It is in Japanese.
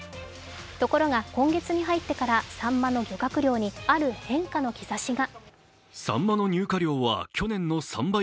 ところが、今月に入ってからさんまの漁獲量に、ある変化の兆しが。